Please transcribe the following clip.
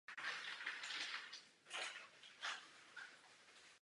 Je nepřijatelné, aby v této oblasti neexistovala žádná regulace.